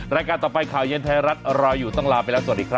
รายการต่อไปข่าวเย็นไทยรัฐรออยู่ต้องลาไปแล้วสวัสดีครับ